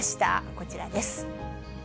こちらです。